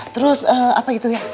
terus apa gitu ya